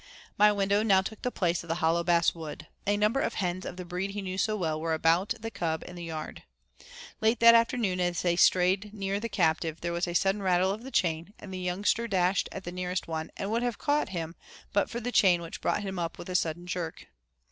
My window now took the place of the hollow bass wood. A number of hens of the breed he knew so well were about the cub in the yard. Late that afternoon as they strayed near the captive there was a sudden rattle of the chain, and the youngster dashed at the nearest one and would have caught him but for the chain which brought him up with a jerk.